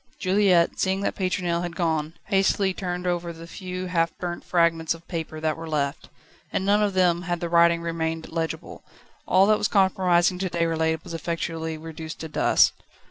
Juliette, seeing that Pétronelle had gone, hastily turned over the few half burnt fragments of paper that were left. In none of them had the writing remained legible. All that was compromising to Déroulède was effectually reduced to dust.